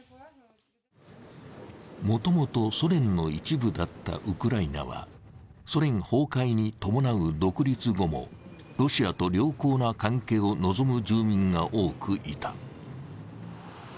もともとソ連の一部だったウクライナは、ソ連崩壊に伴う独立後もロシアと良好な関係を望む住民が多くいた。